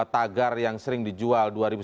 tagar yang sering dijual dua ribu sembilan belas